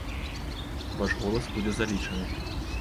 Ваш голас будзе залічаны.